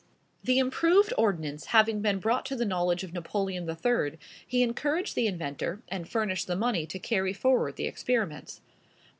The improved ordnance having been brought to the knowledge of Napoleon III., he encouraged the inventor, and furnished the money to carry forward the experiments.